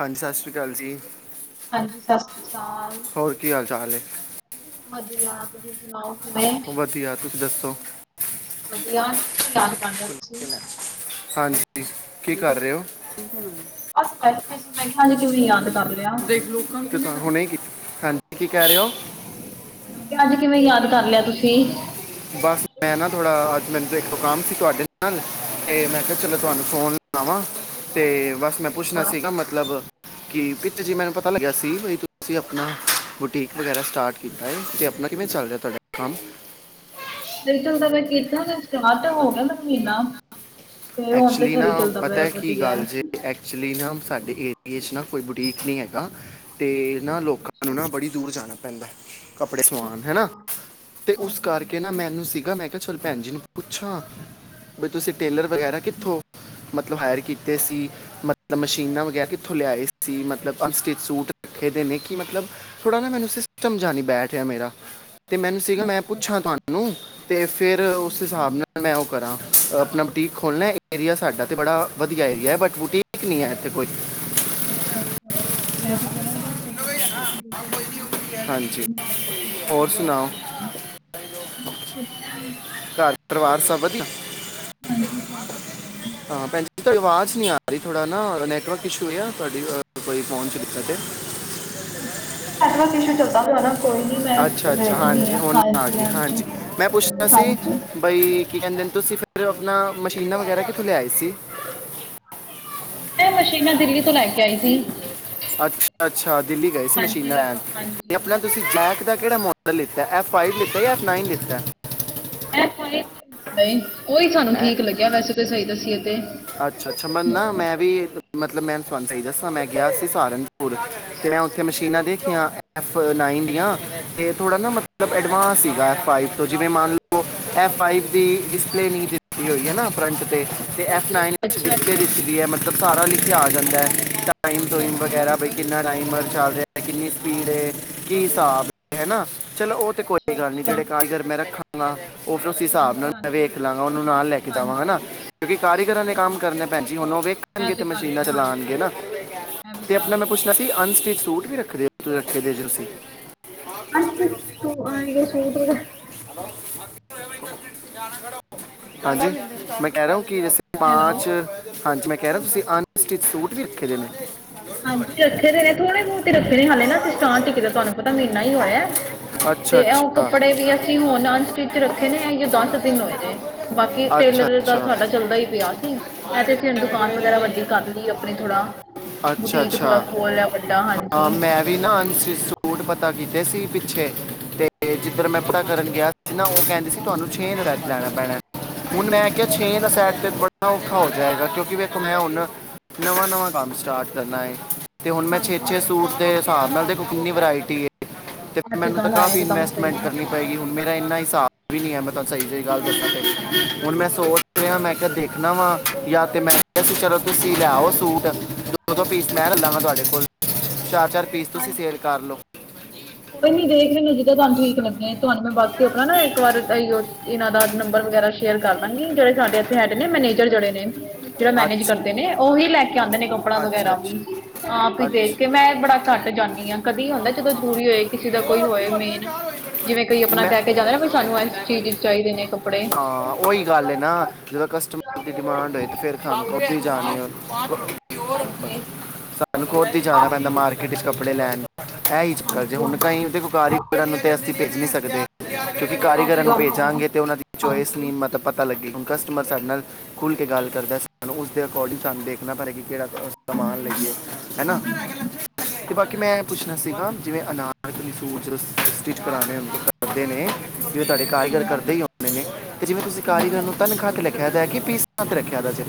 ਹਾਂਜੀ, ਸਤਿ ਸ੍ਰੀ ਅਕਾਲ ਜੀ ਹੋਰ ਕੀ ਹਾਲ ਚਾਲ ਏ। ਵੱਧੀਆ ਤੁਸੀਂ ਸੁਣਾਓ ਕਿਵੇਂ। ਕੀ ਅ ਤੁਸੀਂ ਦੱਸੋ। ਵੱਧੀਆ ਕਿ ਵੇਂ ਤੁੱਸੀ ਯਾਦ ਕਰ ਲਿਆ ਤੁਸੀਂ। ਹਾਂਜੀ, ਕੀ ਕਰ ਰਹੇ ਹੋ। ਬਸ ਬੈਠੇ ਸੀ ਮੈਂ ਕਿਹਾ ਕਿਉਂ ਨਹੀਂ ਯਾਦ। [inaudible] ਦੇਖ ਲੋਕਾਂ ਨੂੰ [unintelligible] ਹੁਣੇ ਕਿਤ ਹਾਂਜੀ ਕਿ ਕਹਿ ਰਹੇ ਹੋ। ਮੈਂ ਕਿਹਾ ਅੱਜ ਕਿਵੇਂ ਯਾਦ ਕਰ ਲਿਆ ਤੁਸੀਂ। ਬਸ ਮੈਂ ਨਾ ਥੋੜ੍ਹਾ ਅੱਜ ਮੈਨੂੰ ਤੇ ਇੱਕੋ ਕੰਮ ਸੀ ਤੁਹਾਡੇ ਨਾਲ ਇਹ ਮੈਂ ਕਿਹਾ ਚਲੋ ਤੁਹਾਨੂੰ ਫੋਨ ਸੁਣਾਵਾਂ ਤੇ ਬਸ ਮੈਂ ਪੁੱਛਣਾ ਸੀਗਾ ਮਤਲਬ ਕਿ ਪਿੱਛੇ ਜੇ ਮੈਨੂੰ ਪਤਾ ਲੱਗਿਆ ਸੀ ਬਈ ਤੁਸੀਂ ਆਪਣਾ ਬੁਟੀਕ ਵਗੈਰਾ ਸਟਾਰਟ ਕੀਤਾ ਹੈ, ਤੇ ਆਪਣਾ ਕਿਵੇਂ ਚੱਲ ਰਿਹਾ ਤੁਹਾਡਾ ਕੰਮ। [unintelligible] ਤਾਂ ਮੈਂ ਕਿੱਤਾ ਨਾ ਇਸਤੇਮਾਰ ਤਾਂ ਹੋ ਗਿਆ ਨਾ ਮੈਨੂੰ ਮਹੀਨਾ। ਤੇ ਹੁਣ ਤੇ ਸਹੀ ਚੱਲਦਾ ਪਿਆ ਵੱਧੀਆ। ਐਕਚੁਲੀ ਨਾ ਸਾਡੇ ਏਰੀਏ ਚ ਨਾ ਕੋਈ ਬੁਟੀਕ ਨੀ ਹੈਗਾ। ਤੇ, ਨਾ ਲੋਕਾਂ ਨੂੰ ਨਾ ਬੜੀ ਦੂਰ ਜਾਣਾ ਪੈਂਦਾ ਕੱਪੜੇ ਸਵਾਨ ਹਨਾ, ਤੇ ਉਸ ਕਾਰਕੇ ਨਾ ਮੈਨੂੰ ਸੀਗਾ ਮੈਂ ਚਲ ਭੈਣ ਜੀ ਨੂੰ ਪੁੱਛਾਂ, ਵੀ ਤੁਸੀਂ ਟੇਲਰ ਵਗੈਰਾ ਕਿੱਥੋਂ ਮਤਲਬ ਹਾਏਰ ਕੀਤੇ ਸੀ ਮਤਲਬ ਮਸ਼ੀਨਾਂ ਵਗੈਰ ਕਿੱਥੋਂ ਲਿਆਏ ਸੀ ਮਤਲਬ ਅਨਸਟਿਚ ਸੂਟ ਰੱਖੇ ਦੇ ਨੇ ਕਿ ਮਤਲਬ ਥੋੜਾ ਨਾ ਮੈਨੂੰ ਸਿਸਟਮ ਜਾ ਨੀ ਬੈਠ ਰੇਆ ਮੇਰਾ। ਤੇ, ਮੈਨੂੰ ਸੀਗਾ ਮੈਂ ਅੱਛਾ ਪੁੱਛਾਂ ਅੱਛਾ ਤੁਹਾਨੂੰ ਤੇ ਫੇਰ ਉਸ ਹਾਂਜੀ ਹਿਸਾਬ ਨਾਲ ਮੈਂ ਉਹ ਕਰਾਂ ਅ ਅਪਨਾ ਬੁਟੀਕ ਖੋਲਨੈ, ਏਰੀਆ ਸਾਡਾ ਤੇ ਬੜਾ ਵਦੀਆ ਏਰੀਐ ਬਟ ਬੁਟੀਕ ਨੀ ਹੈ ਐਥੇ ਕੋਈ। ਅੱਛਾ, ਅੱਛਾ ਐ ਤੇ ਬੜਾ ਵਦੀਆ ਸੂਟ ਏ ਤੂਸੀ [unintelligible] ਹਾਂਜੀ, ਹੋਰ ਫਾਇਦਾ ਸੁਨਾਓ? ਹੁੰਦਾ ਬਸ ਵਦੀਆ। ਘਾਰ ਪਰਵਾਰ ਸਬ ਵਦੀਆ? ਹਾਂਜੀ, ਸਬ ਵਦੀਆ। ਹਾਂ ਭੈਨਜੀ ਤੋਡੀ ਵਾਜ਼ ਨੀ ਆ ਰੀ ਥੋੜਾ ਨਾ ਨੈਟਵਰਕ ਇਸ਼ੂ ਏ ਯਾ ਤੂਆਡੀ ਕੋਈ ਫੋਨ ਚ ਦਿੱਕਤ ਏ? ਅੱਛਾ, ਖੱਟ ਵ ਇਸ਼ੂ ਚੱਲਦਾ ਕੋਈ ਨੀ ਮੈਂ ਅੱਛਾ ਅੱਛਾ ਵੇਖਨੀ ਹਾਂਜੀ ਆਂ ਹੁਣ ਆ ਹਾਂਜੀ, ਗਈ ਹਾਂਜੀ, ਹਾਂਜੀ। ਭਾਈ ਕੀ ਕਹਿੰਦੇ ਨੇ, ਤੁਸੀਂ ਫਿਰ ਆਪਣਾ ਮਸ਼ੀਨਾਂ ਵਗੈਰਾ ਕਿੱਥੋਂ ਲਿਆਏ ਸੀ। ਏਹ ਮਸ਼ੀਨਾਂ ਦਿੱਲੀ ਤੋਂ ਲੈ ਕੇ ਆਈ ਸੀ। ਅੱਛਾ-ਅੱਛਾ, ਦਿੱਲੀ ਗਏ ਸੀ ਹਾਂਜੀ ਮਸ਼ੀਨਾਂ ਲੈਣ, ਤੇ ਹਾਂਜੀ ਆਪਣਾ ਤੁਸੀਂ ਬਲੈਕ ਦਾ ਕਿਹੜਾ ਮਾਡਲ ਲਿੱਤਾ ਐਫ ਫਾਈਵ ਲਿੱਤਾ ਯਾ ਐਫ ਨਾਈਨ ਲਿੱਤਾ। ਐਕਸ ਵਾਏ ਨਹੀਂ ਉਹੀ ਸਾਨੂੰ ਠੀਕ ਲੱਗਿਆ ਵੈਸੇ ਤੇ ਸਹੀ ਦੱਸੀਏ ਤੇ। ਅੱਛਾ-ਅੱਛਾ ਮੈਨੂੰ ਨਾ ਮੈਂ ਵੀ ਮਤਲਬ ਮੈਂ ਤੂਆਨ ਸਈ ਦੱਸਾਂ, ਮੈਂ ਗੇਆ ਸੀ ਸਹਾਰਨਪੁਰ, ਮੈਂ ਉਥੇ ਮਸ਼ੀਨਾਂ ਦੇਖੀਆਂ ਐਫ ਨਾਈਨ ਦੀਆਂ, ਤੇ ਥੋੜਾ ਨਾ ਮਤਲਬ ਐਡਵਾਂਸ ਸੀਗਾ ਐਫ ਫਾਈਵ ਤੋਂ, ਜਿਵੇਂ ਮਾੰਨ ਲੋ ਐਫ ਫਾਈਵ ਦੀ ਡਿਸਪਲੇ ਨੀ ਦਿੱਤੀ ਹੋਈ ਹੈਨਾ ਫਰੰਟ ਤੇ, ਤੇ ਐਫ ਲਾਨ ਲਖ ਅੱਛਾ ਕੇ ਅੱਛਾ ਦਿੱਤੀ ਦੀ ਹੈ। ਮਤਲਬ ਸਾਰਾ ਲਿਖੇ ਆ ਜਾਂਦਾ ਟਾਈਮ ਟੂਮਈਮ ਹਾਂਜੀ ਵਗੈਰਾ ਵੀਈ ਹਾਂਜੀ ਕਿੰਨਾ ਟਾਈਮਰ ਚੱਲ ਰੇਆ, ਕਿੰਨੀ ਸਪੀਡ ਏ, ਕੀ ਸ੍ਹਾਬ ਏ, ਹਨਾ ਚਲੋ ਓ ਤੇ ਕੋਈ ਅੱਛਾ ਗਾੱਲ ਨੀ ਅੱਛਾ ਜੇੜੇ ਕਾਰੀਗਰ ਮੈਂ ਰੱਖਾਂ ਨਾ ਓ ਫੇਰ ਉਸੀ ਸਾਬ ਨਾਲ ਹਾਂਜੀ ਮੈਂ ਹਾਂਜੀ ਵੇਖ ਲਾਂਗਾ ਓਨੂੰ ਨਾਲ ਲੈ ਕੇ ਜਾਵਾਂਗਾਂ ਨਾ। ਹਾਂਜੀ ਕਿਉਂਕਿ ਕਾਰੀਗਰਾਂ ਨੇ ਹਾਂਜੀ ਕਾੰਮ ਇੱਕਦਮ ਕਰਨੈ ਭੈਨ ਜੀ, ਸਹੀ ਹੁਨ ਓ ਇਹ ਵੇਖਨਗੇ ਤੇ ਗੱਲ ਮਸ਼ੀਨਾਂ ਹੈ ਹਾਂਜੀ ਚਲਾਨਗੇਂ ਨਾ। ਇਹ ਵੀ ਤੇ ਗੱਲ ਅਪਨਾ ਮੈਂ ਸਹੀ ਪੁੱਛਨਾ ਗੱਲ ਸੀ ਅਨਸਟਿਚ ਸੂਟ ਵੀ ਰੱਖਦੇ ਓ? ਰੱਖੇ ਦੇ ਜੂਸੀ ਹੈ [unintelligible] [unintelligible] ਹਾਂਜੀ, ਮੈਂ ਕੈ ਰਾ ਹੂੰ ਕਿ ਜੈਸੇ ਹੈਲੋ ਪਾਂਚ, ਹਾਂਜੀ ਮੈਂ ਕੈ ਰੇਆ, ਤੂਸੀ ਅਨਸਟਿਚ ਸੂਟ ਵੀ ਰੱਖੇ ਦੇ ਨੇ? ਹਾਂਜੀ ਰੱਖੇ ਦੇ ਨੇ ਥੋੜੇ ਬਹੁਤ ਹੀ ਰੱਖੇ ਨੇ ਹਾਲੇ ਨਾ ਅਸੀਂ ਸਟਾਂ ਟਿਕਕੇ ਦਾ ਤੁਹਾਨੂੰ ਪਤਾ ਮ ਨਾ ਹੀ ਹੋਇਆ ਅੱਛਾ ਤੇ ਓ ਅੱਛਾ ਕੱਪੜੇ ਵੀ ਅਸੀ ਹੁਨ ਅਨ ਸਟਿਚ ਰੱਖੇ ਨੇ, ਅਈਓ ਦਾੱਸ ਦਿਨ ਹੋਏ ਨੇ। ਬਾਕੀ ਅੱਛਾ ਟੇਲਰ ਦਾ ਅੱਛਾ ਸਾਡਾ ਚੱਲਦਾ ਈ ਪੇਆ ਸੀ। ਐ ਤੇ ਅਸੀ ਹੁਨ ਦੂਕਾਨ ਵਗੈਰਾ ਵੱਡੀ ਕਾਰ ਲੀ ਏ ਅਪਨੀ ਥੋੜਾ। ਅੱਛਾ ਬੁਟੀਕ ਥੋੜਾ ਖੋਲੈ ਬੰਦਾ, ਹਾਂਜੀ। ਸੂਟ ਪਤਾ ਕੀਤੇ ਸੀ। ਪਿੱਛੇ ਤੇ ਤੇ ਜਿੱਦਰ ਮੈਂ ਅਪਨਾ ਕਰਨ ਗੇਆ ਸੀ ਨਾ, ਓ ਕੈਂਦੇ ਸੀ ਤੂਆਨੂੰ ਛੇਂ ਲੜੇ ਚ ਲੈਣਾ ਪੈਣੈ। ਹੁਨ ਮੈਂ ਕੇਆ ਛੇਂ ਦਾ ਸੈਟ ਤੇ ਬੜਾ ਔਖਾ ਹੋ ਜਾਏਗਾ ਕਿਉਂਕਿ ਵੇਖੋ ਮੈਂ ਹੁਨ ਨਵਾਂ-ਨਵਾਂ ਕਾੰਮ ਸਟਾਰਟ ਕਰਨਾ ਏ। ਤੇ ਹੁਨ ਮੈਂ ਛੇ-ਛੇ ਸੂਟ ਦੇ ਹਸਾਬ ਨਾਲ ਦੇਖੋ ਕਿੰਨੀ ਵਰਾਇਟੀ ਏ। ਤੇ ਇਹ ਮੈਨੂੰ ਤਾ ਗੱਲ ਹੈ ਕਾਫ਼ੀ ਇੱਕਦਮ ਇਨਵੈਸਟਮੈਂਟ ਸਹੀ ਕਰਨੀ ਪਏਗੀ ਹੁਨ ਮੇਰਾ ਇੰਨਾ ਹਿਸਾਬ ਵੀ ਨੀ ਹੈ, ਮੈਂ ਤੂਆਨੂੰ ਸਈ-ਸਈ ਗਾੱਲ ਦੱਸਾਂ। ਹਨ ਹੁਣ ਮੈਂ ਸੋਚ ਰੇਆਂ, ਮੈਂ ਕੈਆ ਦੇਖਨਾ ਵਾਂ ਯਾ ਤੇ ਮੈਂ ਕੇਆ ਸੀ ਚਲੋ ਤੂਸੀ ਲੈ ਆਓ ਸੂਟ ਦੋ-ਦੋ ਪੀਸ ਮੈਂ ਲੈ ਲਾਂਗਾ ਤੂਆਡੇ ਕੋਲ, ਚਾਰ-ਚਾਰ ਪੀਸ ਤੂਸੀ ਸੇਲ ਕਾਰ ਲੋ। ਕੋਈ ਨੀ ਦੇਖ ਲੇਦੇ, ਜਿੱਦਾਂ ਤੁਹਾਨੂੰ ਠੀਕ ਲੱਗੇ। ਤੁਹਾਨੂੰ ਮੈਂ ਬਾਕੀ ਆਪਣਾ ਨਾ ਇੱਕ ਵਾਰ ਅਇਔ ਇਹਨਾਂ ਦਾ ਨੰਬਰ ਵਗੈਰਾ ਸ਼ੇਅਰ ਕਰ ਦਾਂਗੀ ਜਿਹੜੇ ਸਾਡੇ ਇੱਥੇ ਹੈਡੇ ਨੇ ਮੈਨੇਜਰ ਜਿਹੜੇ ਨੇ ਜਿਹੜਾ ਮੈਨੇਜ ਅੱਛਾ ਕਰਦੇ ਨੇ ਉਹੀ ਲੈ ਕੇ ਆਉਂਦੇ ਨੇ ਕੱਪੜਾ ਅੱਛਾ ਵਗੈਰਾ ਵੀ ਅੱਛਾ ਆਪ ਦੇਖ ਕੇ ਅੱਛਾ ਮੈਂ ਬੜਾ ਘੱਟ ਜਾਂਦੀ ਆ ਕਦੀ ਹੁੰਦਾ ਜਦੋਂ ਜ਼ਰੂਰੀ ਹੋਏ ਕਿਸੇ ਦਾ ਕੋਈ ਹੋਏ ਮੇਨ ਜਿਵੇਂ ਕੋਈ ਆਪਣਾ ਮੈਂ ਕਹਿ ਕੇ ਜਾਂਦੇ ਨਾ ਸਾਨੂੰ ਇਸ ਚੀਜ਼ ਚਾਹੀਦੇ ਨੇ ਕੱਪੜ ਹਾਂ ਉਹੀ ਗੱਲ ਨਾ ਜਦੋਂ ਕਸਟਮਰ ਦੀ ਡਿਮਾਂਡ ਹੋਏ ਤੇ ਫਰ ਖਣਕ ਉਥੇ ਜਾ ਹੋ ਹੋਰ, ਸਾਨੂੰ ਖੁਦ ਈ ਜਾਣਾ ਪੈਂਦਾ ਮਾਰਕੀਟ 'ਚ ਕੱਪੜੇ ਲੈਣ। ਐ ਈ ਚੱਕਰ ਜੇ ਹੁਣ ਤਾਂਈਓ ਕੁੁਕਾਰੀ ਨੂੰ ਤੇ ਅਸੀਂ ਭੇਜ ਨਹੀਂ ਸਕਦੇ। ਕਿਉਂਕਿ, ਕਾਰੀਗਰਾਂ ਨੂੰ ਭੇਜਾਂਗੇ ਤੇ ਉਨ੍ਹਾਂ ਦੀ ਚੋਇਸ ਨੀ ਮਤਬ ਪਤਾ ਲੱਗੇ, ਹੁਣ ਕਸਟਮਰ ਸਾਡੇ ਨਾਲ ਖੁੱਲ੍ਹ ਕੇ ਗੱਲ ਕਰਦਾ। ਸਾਨੂੰ ਉਸਦੇ ਅਕੋਡਿੰਗ ਸਾਨੂੰ ਦੇਖਣਾ ਪੜੇ ਕਿ ਕਿਹੜਾ ਸਮਾਨ ਲਈਏ ਹੈਨਾ ਤੇ ਬਾਕੀ ਮੈਂ ਐ ਪੁੱਛਣਾ ਸੀਗਾ ਜਿਵੇਂ, ਅਨਾਜ ਤੁੂੰ ਸੂਟ ਸਟਿਟ ਕਰਾਣੇ ਹੁੰਦੇ, ਦੇ ਨੇ ਤੇ ਤੁਹਾਡੇ ਕਾਰੀਗਰ ਕਰਦੇ ਈ ਹੁੰਦੇ ਨੇ ਤੇ ਜਿਵੇਂ ਤੁਸੀਂ, ਕਾਰੀਗਰ ਨੂੰ ਤਨ ਖਾਹ ਤੇ ਲੱਖਿਆ ਦਾ ਕਿ ਪੀਸ ਖਾਂ ਤੇ ਰੱਖਿਆ ਦਾ ਜੇ।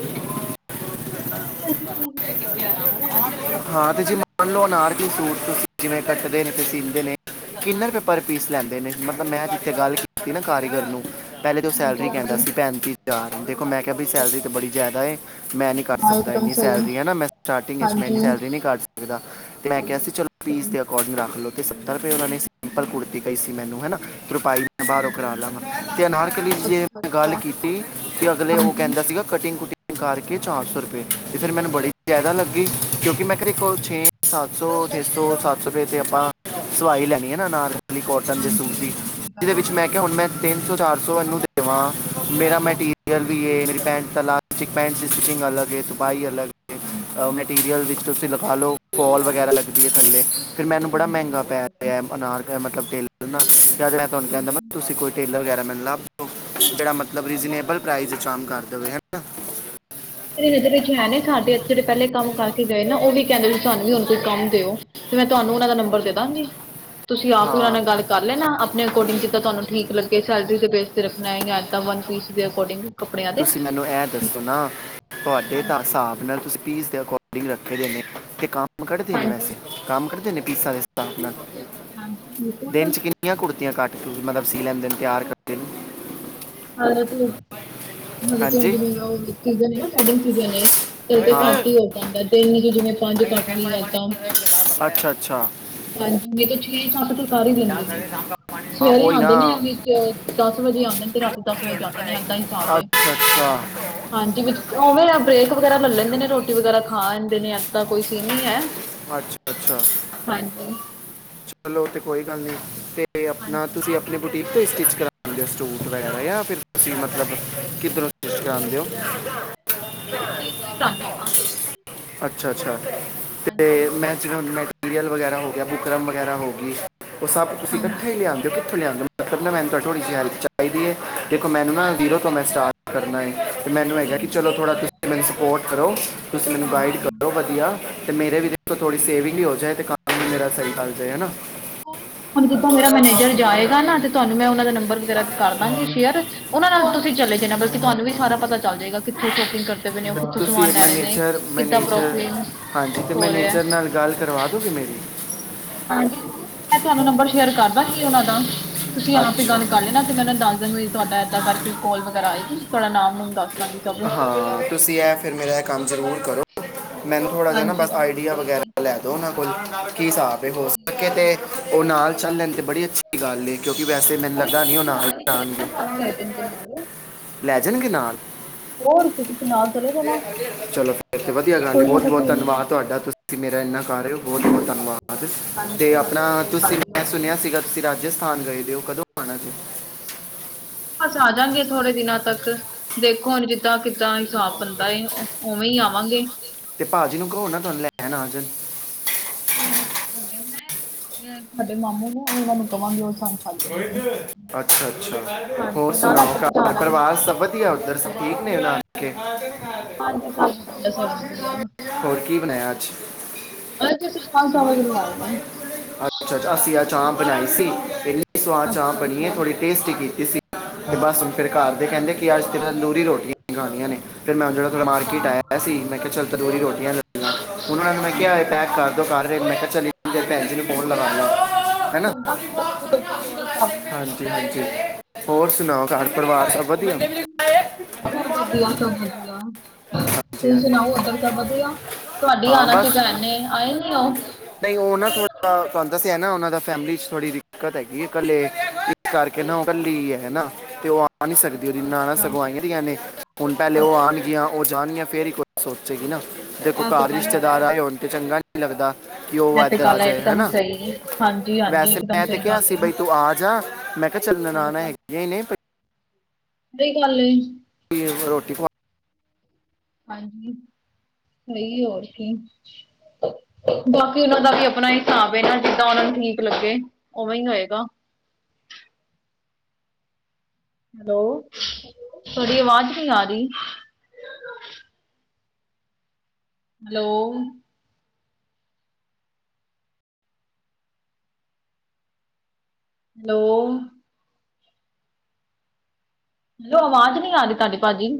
ਕ ਅਸੀਂ ਵੈਸੇ ਤੇ [inaudible] ਹਾਂ ਤੇ ਜੀ ਮੰਨ ਲਓ ਅਨਾਰਕੀ ਸੂਟ, ਤੁਸੀਂ ਜਿਵੇਂ ਕੱਟਦੇ ਨੇ ਤੇ ਸੀਂਦੇ ਨੇ ਕਿੰਨੇ ਰੁਪਏ ਪਰ ਪੀਸ ਲੈਂਦੇ ਨੇ। ਮਤਲਬ ਮੈਂ ਜਿੱਥੇ ਗੱਲ ਕੀਤੀ ਨਾ ਕਾਰੀਗਰ ਨੂੰ ਪਹਿਲੇ ਤੇ ਉਹ ਹਾਂਜੀ ਸੈਲਰੀ ਕਹਿੰਦਾ ਹਾਂਜੀ ਸੀ ਪੈਂਤੀ ਹਜ਼ਾਰ, ਦੇਖੋ ਮੈਂ ਕਿਆ ਬੀ ਸੈਲਰੀ ਤੇ ਅੱਛਾ ਬੜੀ ਅੱਛਾ ਜ਼ਿਆਦਾ ਏ ਮੈਂ ਨੀ ਕਰ ਹਾਂ ਸਕਦਾ ਇੱਕਦਮ ਇੰਨੀ ਸਹੀ ਸੈਲਰੀ ਐ ਨਾ, ਮੈਂ ਸਟਾਟਿੰਗ 'ਚ ਮੈਂ ਇਨੀ ਹਾਂਜੀ ਸੈਲਰੀ ਮੈਂ ਨਹੀਂ ਘਾਟ ਸਕਦਾ ਤੇ ਮੈਂ ਹਾਂ, ਕਿਹਾ ਸੀ ਚਲੋ, ਪੀਸ ਸਹੀ ਦੇ ਅਕਾ ਰੱਖ ਲਓ, ਤੇ ਸੱਤਰ ਰੁਪਏ ਉਹਨਾਂ ਨੇ ਸਿੰਪਲ ਕੁੜਤੀ ਕਹੀ ਸੀ। ਮੈਨੂੰ ਹੈ ਨਾ ਰੁਪਾਈ ਮੈਂ ਬਾਰੋਂ ਹਾਂਜੀ ਕਰਾ ਲਾਗਾਂ, ਤੇ ਅਨਾਰ ਕਲੀ ਦੀ ਜੇ ਅੱਛਾ ਮੈਂ ਗਾੱਲ ਅੱਛਾ ਕੀਤੀ, ਤੇ ਅਗਲੇ ਓ ਹਾਂਜੀ ਕੈਂਦਾ ਸੀਗਾ ਕਟਿੰਗ ਕੁਟਿੰਗ ਕਰਕੇ ਚਾਰ ਸੌ ਰੁਪਏ ਤੇ ਫਿਰ ਮੈਨੂੰ ਬੜੀ ਜ਼ਿਆਦਾ ਲੱਗੀ ਕਿਉਂਕਿ ਮੈਂ ਘਰੇ ਕੋਲ ਛੇ ਸੱਤ ਸੀ, ਛੇ ਸੌ ਸੱਤ ਸੌ ਰੁਪਏ ਤੇ ਆਪਾਂ ਸਵਾਈ ਲੈਣੀ ਹੈ ਨਾ ਨਾਲ। ਕੋਟਨ ਦੇ ਸੂਟ ਦੀ, ਜਿਹਦੇ ਵਿੱਚ ਮੈਂ ਕਿਹਾ ਹੁਣ ਮੈਂ ਤਿੰਨ ਸੌ, ਚਾਰ ਸੌ ਐਨੂੰ ਦੇਵਾਂ। ਮੇਰਾ ਮੈਟੀਰੀਅਲ ਵੀ ਏ, ਮੇਰੀ ਪੈਂਟ ਤਲਾ ਟਿਕ ਪੈਂਟ ਸਟਿਚਿੰਗ ਅਲਗ ਏ, ਤ੍ਰਪਾਈ ਅਲਗ ਏ ਅ ਮਟੀਰੀਅਲ ਵਿੱਚ ਤੁਸੀਂ ਲਖਾ ਲਓ, ਕੋਲ ਵਗੈਰਾ ਲੱਗਦੀ ਏ ਥੱਲੇ ਫਿਰ ਮੈਨੂੰ ਬੜਾ ਮਹਿੰਗਾ ਪੈ ਰਿਹਾ ਅਨਾਰ ਕ ਮਤਲਬ ਟੇਲਰ ਨਾ ਜਦ ਮੈਂ ਤੁਹਾਨੂੰ ਕਹਿੰਦਾ ਮੈਂ ਤੁਸੀਂ ਕੋਈ ਟੇਲਰ ਵਗੈਰਾ ਮਿਲਨਾ, ਜਿਹੜਾ ਮਤਲਬ ਰੀਜਨੇਬਲ ਪ੍ਰ‌ਾਈਜ਼ ਵਿਚ ਆਮ ਕਰ ਦੇਵੇ ਹਨਾ। [inaudible] ਮੇਰੀ ਨਜ਼ਰ ਵਿੱਚ ਹੈ ਨੇ ਸਾਡੇ ਇੱਥੇ ਜਿਹੜੇ ਪਹਿਲੇ ਕੰਮ ਕਰਕੇ ਗਏ ਨਾ, ਉਹ ਵੀ ਕਹਿੰਦੇ ਵੀ ਸਾਨੂੰ ਵੀ ਹੁਣ ਕੋਈ ਕੰਮ ਦਿਓ। ਤੇ ਮੈਂ ਤੁਹਾਨੂੰ ਉਹਨਾਂ ਦਾ ਨੰਬਰ ਦੇਦਾਗੀ। ਤੁਸੀਂ ਆਪ ਹੀ ਉਹਨਾਂ ਹਾਂ ਨਾਲ ਗੱਲ ਕਰ ਲੈਨਾ, ਆਪਣੇ ਅਕੋਡਿੰਗ ਜਿੱਦਾਂ ਤੁਹਾਨੂੰ ਠੀਕ ਲੱਗੇ। ਸੈਲਰੀ ਦੇ ਬੇਸ ਤੇ ਰੱਖਣਾ ਹੈਗਾ ਐ ਤਾਂ ਵਨ ਪੀਸ ਦੇ ਅਕੋਡਿੰਗ ਤੁਸੀਂ ਮੈਨੂੰ ਐ ਦੱਸੋ ਨਾ, ਤੁਹਾਡੇ ਤਾਂ ਸਾਬ੍ਹ ਨਾਲ ਤੁਸੀਂ ਪੀਸ ਦੇ ਅਕੋਡਿੰਗ ਰੱਖੇ ਦੇ ਨੇ ਤੇ ਕੰਮ ਕੱਢਦੇ ਨੇ ਵੈਸੇ ਕੰਮ ਕਢਦੇ ਨੇ ਪੀਸਾ ਦੇ ਸਾਬ੍ਹ ਨਾਲ? ਹਾਂਜੀ, ਬਿਲਕੁਲ। ਕਿਨੀਆ ਕੁੜਤੀਆਂ ਕੱਟ ਕੇ, ਮਤਲਬ ਸੀ ਲੈਂਦੇ ਨੇ ਤਿਆਰ ਕਰਦੇ ਨੇ। ਹਰ ਇੱਕ ਲ‌ਈ। ਜਿਵੇਂ ਤੇ ਹੁਣ ਹਾਂਜੀ ਜਿਵੇਂ ਉਹ ਸੀਜ਼ਨ ਏ ਨਾ, ਵੈਡਿੰਗ ਸੀਜ਼ਨ ਏ ਤੇਜ ਤੇ ਹਾਂ ਘੱਟ ਈ ਹੋ ਪਾਂਦਾ, ਦਿਨ 'ਚ ਜਿਵੇਂ ਪੰਜ ਕੱਟ ਲੀਏ ਤਾਂ ਅੱਛਾ ਅੱਛਾ ਹਾਂਜੀ, ਨਹੀਂ ਤੇ ਛੇ ਤੋਂ ਅੱਠ ਤੋਂ ਕਰ ਹੀ ਦਿੰਦੇ ਨੇ। ਹਾਂ ਸਵੇਰੇ ਉਹੀ ਨਾ ਆਉਂਦੇ ਨੇ, ਵਿੱਚ ਦਸ ਵਜੇ ਆਉਂਦੇ ਨੇ ਤੇ, ਰਾਤ। ਦੱਸ ਵਜ ਤੇ ਆਂਦੇ ਨੇ, ਏਦਾਂ ਹੀ ਹਿਸਾਬ ਅੱਛਾ ਏ। ਅੱਛਾ ਹਾਂਜੀ, ਵਿੱਚ ਉਵੇਂ ਆ ਬ੍ਰੇਕ ਵਗੈਰਾ ਲੈ ਲੈਂਦੇ ਨੇ, ਰੋਟੀ ਵਗੈਰਾ ਖਾ ਆਂਦੇ ਨੇ, ਇਦਾਂ ਕੋਈ ਸੀਨ ਨਹੀਂ ਹੈ। ਅੱਛਾ -ਅੱਛਾ, ਹਾਂਜੀ ਚਲੋ ਤੇ ਕੋਈ ਗੱਲ ਨੀ ਤੇ। ਤੇ, ਆਪਣਾ ਹਾਂਜੀ ਤੁਸੀਂ ਆਪਣੇ। ਬੁਟੀਕ ਤੇ ਹੀ ਸਟਿੱਚ ਕਰਵਾਉਂਦੇ ਹੋ, ਸੂਟ ਵਗੈਰਾ ਜਾਂ, ਫਿਰ ਤੁਸੀਂ ਮਤਲਬ, ਕਿੱਧਰੋਂ ਸਟਿਚ ਕਰਾਉਂਦੇ ਹੋ? ਮੈਂ ਬੁਟੀਕ ਤੋਂ ਹੀ ਕਰਾਨੀ ਆ ਅੱਛਾ- ਅੱਛਾ। ਹਾਂਜੀ ਅਤੇ ਮੈਚਿੰਗ ਮੈਟੀਰੀਅਲ, ਵਗੈਰਾ ਹੋ ਗਿਆ, ਬੁਕਰਮ ਵਗੈਰਾ ਹੋ ਗਈ। ਉਹ, ਸਭ ਤੁਸੀਂ ਹਾਂਜੀ ਇਕੱਠੇ ਹੀ ਲਿਆਉਦੇ ਹੋ? [inaudible] ਮੈਨੂੰ ਥੋੜੀ ਜਿਹੀ ਹੈਲਪ ਚਾਹੀਦੀ ਹੈ, ਦੇਖੋ ਮੈਨੂੰ ਨਾ, ਜੀਰੋ ਤੋਂ ਮੈਂ ਸਟਾਰਟ ਕਰਨਾ ਏ। ਤੇ ਮੈਨੂੰ ਹੈਗਾ ਕਿ, ਹਾਂਜੀ ਚਲੋ ਇਹ ਤੇ ਥੋੜ੍ਹਾ ਗੱਲ ਤੁਸੀਂ ਹੈ ਮੈਨੂੰ ਸਪੋਰਟ ਕਰੋ, ਤੁਸੀਂ, ਮੈਨੂੰ ਗਾਈਡ ਹਾਂਜੀ ਕਰੋ ਵਧੀਆ। ਮੇਰੇ ਵੀ, ਦੇਖੋ ਥੋੜ੍ਹੀ ਸੇਵਿੰਗ ਵੀ ਹੋ ਜਾਏ, ਤੇ ਕੰਮ ਵੀ ਮੇਰਾ ਸਹੀ ਲਗ ਜਾਏ ਹੈ ਨਾ? ਹੁਣ, ਜਦੋਂ ਮੇਰਾ ਮੈਨੇਜਰ ਜਾਏਗਾ ਨਾ, ਤੇ ਤੁਹਾਨੂੰ ਮੈਂ ਉਹਨਾਂ ਦਾ ਨੰਬਰ ਵਗੈਰਾ ਕਰ ਦਾਂਗੀ ਸੇ਼ਅਰ, ਉਹਨਾਂ ਨਾਲ ਤੁਸੀਂ ਚਲੇ ਜਾਣਾ, ਬਲਕਿ ਤੁਹਾਨੂੰ ਵੀ ਸਾਰਾ ਪਤਾ ਚੱਲ ਜਾਏਗਾ, ਕਿੱਥੋਂ ਸ਼ੋਪਿੰਗ ਕਰ ਦੇ ਪਏ ਨੇ, ਤੇ ਕਿੱਥੋਂ ਤੁਸੀਂ ਸਮਾਨ ਲੈ ਰਹੇ ਨੇ? ਮੈਨੇਜਰ ਕਿੱਦਾਂ ਮੈਨੇਜਰ ਪ੍ਰੋਫਿਟ ਹਾਂਜੀ ਤੇ ਹੋ ਰਿਹਾ? ਮੈਨੇਜਰ ਨਾਲ ਗੱਲ ਕਰਵਾ ਦੋਗੇ ਮੇਰੀ ਹਾਂਜੀ, ਮੈਂ ਤੁਹਾਨੂੰ ਨੰਬਰ ਸ਼ੇਅਰ ਕਰ ਦਾਂਗੀ ਉਹਨਾਂ ਦਾ, ਤੁਸੀਂ, ਆਪ ਹੀ ਅੱਛਾ ਗੱਲ ਕਰ ਲੈਣਾ ਤੇ, ਮੈਂ ਉਹਨਾਂ ਨੂੰ ਦੱਸ ਦਾਂਗੀ, ਵੀ ਤੁਹਾਡਾ ਏਦਾਂ ਕਰਕੇ ਕਾਲ ਵਗੈਰਾ ਆਏਗੀ, ਤੁਹਾਡਾ ਨਾਮ -ਨੂਮ ਦੱਸ ਦਾਂਗੀ ਸਭ ਹਾਂ, ਤੁਸੀਂ ਇਹ ਫਿਰ, ਮੇਰਾ ਇਹ ਕੰਮ ਜ਼ਰੂਰ ਕਰੋ। ਮੈਨੂੰ ਥੋੜ੍ਹਾ ਜਿਹਾ, ਨਾ ਹਾਂਜੀ ਬਸ ਜ਼ਰੂਰ ਆਈਡੀਆ ਕੋਈ ਨੀ ਵਗੈਰਾ ਲੈ ਦੋ, ਉਹਨਾਂ ਕੋਲ ਕੀ ਹਿਸਾਬ ਹੋ ਸਕੇ ਠੀਕ ਏ ਤੇ, ਉਹ ਨਾਲ ਚੱਲਣ, ਤੇ ਬੜੀ ਅੱਛੀ ਗੱਲ ਏ ਕਿਉਂਕਿ ਵੈਸੇ, ਮੈਨੂੰ ਕੋਈ ਲੱਗਦਾ ਨੀ ਨਹੀਂ, ਉਹ ਤੁਸੀਂ ਨਾਲ ਹੀ ਚਲੇ ਜਾਣਗੇ। ਜਾਣਾ ਤੁਹਾਨੂੰ ਲੈ ਜਾਣਗੇ ਨਾਲ ਲੈ, ਜਾਣਗੇ ਨਾਲ? ਹੋਰ ਕਿ ਨਾਲ, ਚਲੇ ਜਾਣਾ ਚਲੋ, ਫੇਰ ਤੇ ਵਧੀਆ ਗੱਲ ਏ ਕੋਈ ਐਸਾ ਬਹੁਤ-ਬਹੁਤ ਸੀਨ ਨੀ ਹੈ ਧੰਨਵਾਦ ਤੁਹਾਡਾ ਤੁ ਤੁਸੀਂ ਮੇਰਾ ਇੰਨਾ ਕਰ ਰਹੇ ਹੋ, ਬਹੁਤ-ਬਹੁਤ ਧੰਨਵਾਦ ਤੇ ਹਾਂਜੀ ਹਾਂਜੀ ਆਪਣਾ ਕੋਈ ਗੱਲ ਤੁਸੀਂ, ਨੀ ਮੈਂ ਹੋਗੀ ਸੁਣਿਆ ਸੀਗਾ ਤੁਸੀਂ ਰਾਜਸਥਾਨ ਗਏ ਦੇ ਹੋ, ਕਦੋਂ ਆਉਣਾ ਜੇ? ਬਸ ਆ, ਜਾਂਗੇ ਥੋੜੇ ਦਿਨਾਂ ਤੱਕ। ਦੇਖੋ, ਹੁਣ ਜਿੱਦਾਂ ਕਿੱਦਾਂ ਹਿਸਾਬ ਬਣਦਾ ਉਵੇਂ ਹੀ, ਆਵਾਂਗੇ। ਤੇ ਭਾਜੀ ਨੂੰ ਕਹੋ ਨਾ, ਤੁਹਾਨੂੰ ਲੈਣ ਆ ਜਾਣ। ਕੋਈ ਨੀ ਦੇਖਾਂਗੇ, ਮੈਂ ਤੁਹਾਡੇ ਮਾਮੂ ਨੂੰ, ਉਹਨਾਂ ਨੂੰ ਕਹਾਂਗੀ ਉਹ ਸਾਨੂੰ [inaudible] ਛੱਡ ਦੇਣਗੇ ਅੱਛਾ-ਅੱਛਾ, ਹੋਰ ਸੁਣਾਓ? ਘਰ ਪਰਿਵਾਰ ਸਭ [inaudible] ਹਾਂਜੀ ਸਭ ਵਧੀਆ ਸਭ ਵਧੀਆ ਹੋਰ ਕੀ, ਬਣਾਇਆ ਅੱਜ? ਉਹਦੇ ਚ ਅਸੀਂ ਦਾਲ ਚਾਵਲ ਬਣਵਾਏ ਨੇ। ਅੱਛਾ, ਅਸੀ ਅੱਜ ਚਾਂਪ ਬਣਾਈ ਸੀ। ਸਵਾਦ ਚਾਂਪ ਬਣੀ ਏ, ਥੋੜੀ ਟੇਸਟੀ ਕੀਤੀ ਸੀ, ਤੇ ਬਸ ਫਿਰ ਘਰ ਦੇ ਕਹਿੰਦੇ ਕਿ, ਅੱਜ ਤੇ ਤੰਦੂਰੀ ਰੋਟੀਆਂ ਖਾਣੀਆਂ ਨੇ ਫਿਰ ਮੈਂ, ਜਿਹੜਾ ਥੋੜ੍ਹਾ ਅੱਛਾ, ਮਾਰਕੀਟ ਆਇਆ ਸੀ, ਮੈਂ ਕਿਹਾ ਚੱਲ ਤੰਦੂਰੀ ਰੋਟੀਆਂ ਲੈ ਲਾ ਹੁਣ ਉਹਨਾਂ ਨੂੰ ਮੈਂ ਕਿਹਾ, ਇਹ ਪੈਕ ਕਰ ਦੋ ਅੱਛਾ-ਅੱਛਾ ਘਰ ਫੇਰ ਮੈਂ ਕਿਹਾ ਚਲ, ਭੈਣਜੀ ਨੂੰ ਫੋਨ ਲਗਾਣਾ [unintelligible] [inaudible] ਕੋਲ ਕਰ ਲਈ ਹੋਰ ਕੀ। ਹਾਂਜੀ-ਹਾਂਜੀ ਹੋਰ ਸੁਣਾਓ? ਘਰ ਪਰਿਵਾਰ ਸਭ ਵਧੀਆ? ਸਭ ਵਧੀਆ -ਸਭ ਵਧੀਆ, ਹਾਂਜੀ ਹਾਂਜੀ ਤੁਸੀਂ ਸੁਣਾਓ ਉਧਰ ਸਭ ਵਧੀਆ? ਤੁਹਾਡੀ, ਹਾਂ ਆਉਣਾ ਸੀ ਬਸ ਭੈਣ ਨੇ, ਆਈ ਨੀ ਉਹ? ਨਹੀਂ ਉਹ ਨਾ, ਥੋੜਾ ਤੁਹਾਨੂੰ ਦਸਿਆ ਹੈ ਨਾ, ਉਹਨਾਂ ਦਾ ਫੈਮਿਲੀ ਚ ਥੋੜੀ ਦਿੱਕਤ ਹੈਗੀ [unintelligible] ਆ ਨਹੀ ਸਕਦੀ, ਉਹਦੀ ਨਨਾਣਾਂ ਸਗੋਂ ਆਈਆਂ ਦੀਆਂ ਨੇ, ਉਲਟਾ ਹਲੇ, ਹੁਣ ਉਹ ਆਉਣਗੀਆਂ, ਉਹ ਜਾਣਗੀਆਂ ਫਿਰ ਈ ਸੋਚੇਗੀ ਨਾ, ਦੇਖੋ ਘਰ ਰਿਸ਼ਤੇਦਾਰ ਆਏ ਹੋਣ ਤੇ, ਚੰਗਾ ਨੀ ਲੱਗਦਾ, ਕਿ ਉਹ ਏਧਰ ਆ ਜਾਏ। ਹੈਨਾ? ਹਾਂਜੀ -ਹਾਂਜੀ, ਇਕਦਮ ਸਹੀ ਗੱਲ ਏ। ਬਈ ਤੂੰ ਆ ਜਾ, ਮੈਂ ਕਿਹਾ, ਚੱਲ ਨਨਾਣਾਂ ਹੈਗੀਆਂ ਹੀ ਨੇ ਦੇਖ ਨਾਲੇ ਰੋਟੀ ਪਾ ਹਾਂਜੀ ਸਹੀ ਏ ਹੋਰ ਕੀ ਬਾਕੀ ਉਹਨਾਂ ਦਾ ਵੀ ਆਪਣਾ ਹਿਸਾਬ ਇਹ ਨਾ ਜਿੱਦਾਂ ਉਹਨਾਂ ਨੂੰ ਠੀਕ ਲੱਗੇ ਉਵੇ ਹੀ ਹੋਏਗਾ ਹੈਲੋ ਤੁਹਾਡੀ ਅਵਾਜ਼ ਨੀ ਆ ਰਹੀ ਹੈਲੋ ਹੈਲੋ ਲੋ ਆਵਾਜ਼ ਨੀ ਆ ਨੀ ਤੁਹਾਡੀ ਭਾਜੀ